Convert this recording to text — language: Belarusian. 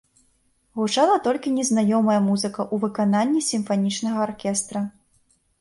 Гучала толькі незнаёмая музыка ў выкананні сімфанічнага аркестра.